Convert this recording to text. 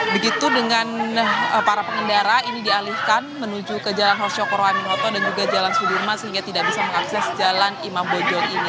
begitu dengan para pengendara ini dialihkan menuju ke jalan hosyokoro aminoto dan juga jalan sudirman sehingga tidak bisa mengakses jalan imam bojong ini